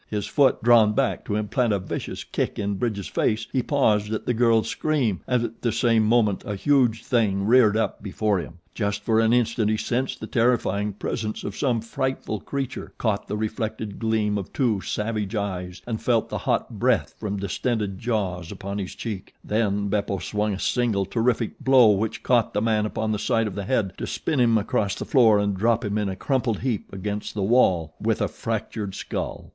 His foot drawn back to implant a vicious kick in Bridge's face he paused at the girl's scream and at the same moment a huge thing reared up before him. Just for an instant he sensed the terrifying presence of some frightful creature, caught the reflected gleam of two savage eyes and felt the hot breath from distended jaws upon his cheek, then Beppo swung a single terrific blow which caught the man upon the side of the head to spin him across the floor and drop him in a crumpled heap against the wall, with a fractured skull.